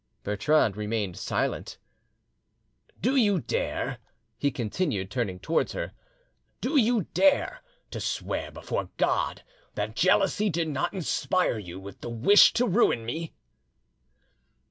Bertrande remained silent. "Do you dare," he continued, turning towards her,—"do you dare to swear before God that jealousy did not inspire you with the wish to ruin me?"